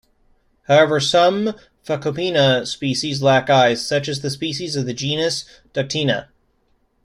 However, some Phacopina species lack eyes, such as the species of the genus "Ductina".